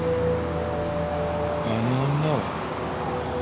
「あの女は」